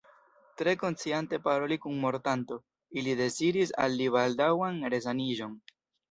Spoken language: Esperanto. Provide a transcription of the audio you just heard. Tre konsciante paroli kun mortanto, ili deziris al li baldaŭan resaniĝon.